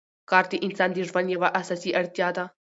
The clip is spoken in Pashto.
کار د انسان د ژوند یوه اساسي اړتیا ده